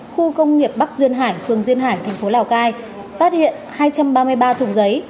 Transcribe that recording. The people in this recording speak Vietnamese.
khu công nghiệp bắc duyên hải phường duyên hải thành phố lào cai phát hiện hai trăm ba mươi ba thùng giấy